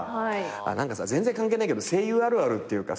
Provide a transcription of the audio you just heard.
全然関係ないけど声優あるあるっていうかさ